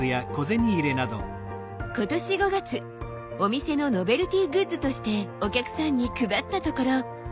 今年５月お店のノベルティーグッズとしてお客さんに配ったところ。